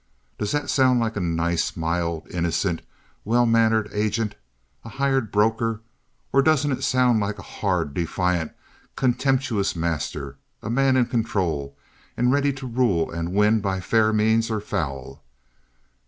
Does that sound like a nice, mild, innocent, well mannered agent, a hired broker, or doesn't it sound like a hard, defiant, contemptuous master—a man in control and ready to rule and win by fair means or foul?